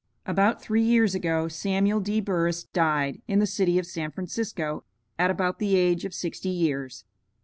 About three years ago, Samuel D. Burris died, in the city of San Francisco, at about the age of sixty years.